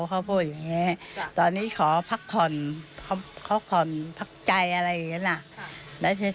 เขาพูดอย่างนี้ตอนนี้ขอพักผ่อนเขาผ่อนพักใจอะไรอย่างนี้นะ